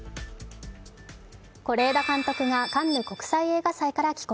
是枝監督がカンヌ国際映画祭から帰国。